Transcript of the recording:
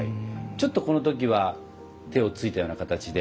ちょっとこの時は手をついたような形で。